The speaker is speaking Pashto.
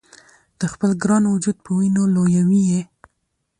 د خپل ګران وجود په وینو لویوي یې